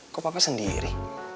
kok papa sendiri